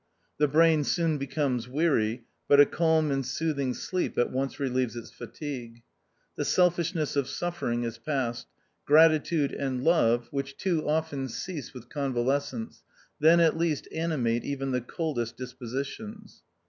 The brain soon becomes weary, but a calm and sooth ing sleep at once relieves its fatigue. The selfishness of suffering is past ; gratitude and love, which too often cease with conva lescence, then at least animate even the cold est dispositions.